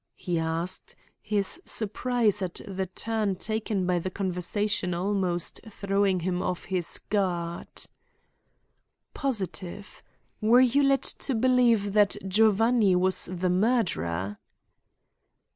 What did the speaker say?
he asked, his surprise at the turn taken by the conversation almost throwing him off his guard. "Positive. Were you led to believe that Giovanni was the murderer?"